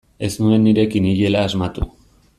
Ez nuen nire kiniela asmatu.